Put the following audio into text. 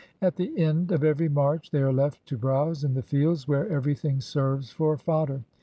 At the end of every march, they are left to browse in the fields, where everything serves for fodder.